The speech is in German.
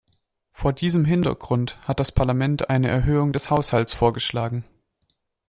Vor diesem Hintergrund hat das Parlament eine Erhöhung des Haushalts vorgeschlagen.